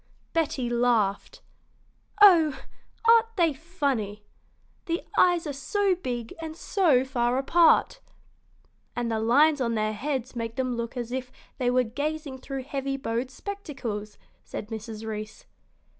Betty laughed. "Oh, aren't they funny! The eyes are so big and so far apart." "And the lines on their heads make them look as if they were gazing through heavy bowed spectacles," said Mrs. Reece.